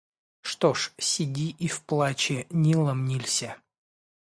Что ж, сиди и в плаче Нилом нилься.